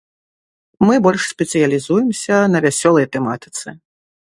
Мы больш спецыялізуемся на вясёлай тэматыцы!